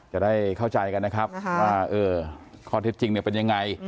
จะได้เข้าใจกันนะครับว่าข้อเท็จจริงเป็นยังไง